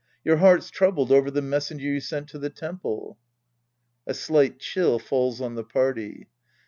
Your heart's troubled over the mes senger you sent to the temple. {A slight chill falls on the party.